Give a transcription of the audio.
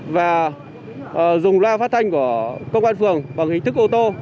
và dùng loa phát thanh của công an phường bằng hình thức ô tô